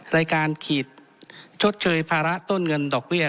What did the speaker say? ในการขีดชดเชยภาระต้นเงินดอกเบี้ย